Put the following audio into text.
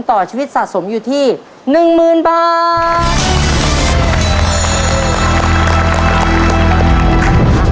คุณต่อชีวิตสะสมอยู่ที่หนึ่งหมื่นบาท